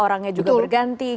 orangnya juga berganti